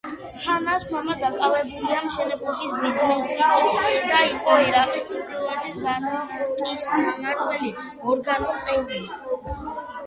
ჰანას მამა დაკავებულია მშენებლობის ბიზნესით და იყო ერაყის ჩრდილოეთის ბანკის მმართველი ორგანოს წევრი.